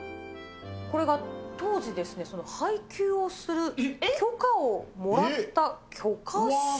これが当時ですね、その配給をする許可をもらった許可証。